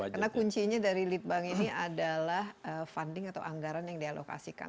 karena kuncinya dari lead bank ini adalah funding atau anggaran yang dialokasikan